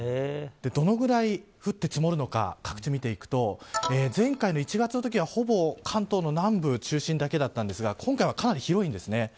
どのくらい降って積もるのか見ていくと前回の１月の時はほぼ、関東の南部中心だけだったんですが今回はかなり広いんです。